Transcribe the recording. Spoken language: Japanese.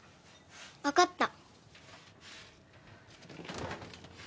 分かった。